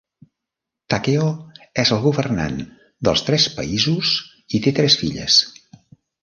Takeo és el governant dels Tres Països i té tres filles.